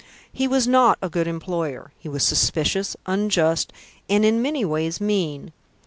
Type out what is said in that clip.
He was not a good employer; he was suspicious, unjust, and in many ways mean.